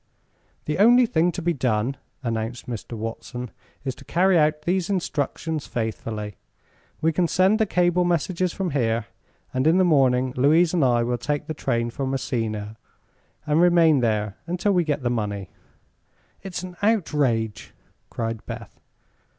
"The only thing to be done," announced Mr. Watson, "is to carry out these instructions faithfully. We can send the cable messages from here, and in the morning Louise and I will take the train for Messina and remain there until we get the money." "It's an outrage!" cried Beth.